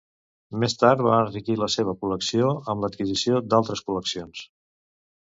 Més tard va enriquir la seva col·lecció amb l'adquisició d'altres col·leccions.